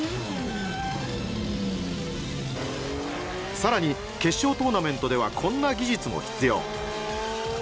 更に決勝トーナメントではこんな技術も必要。